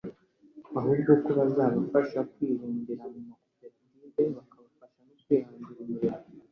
ahubwo ko bazabafasha kwibumbira mu makoperative bakabafasha no kwihangira imirimo